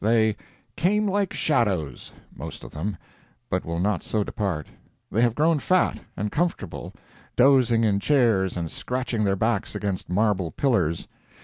They "came like shadows"—most of them—but will not so depart. They have grown fat and comfortable, dozing in chairs and scratching their backs against marble pillars.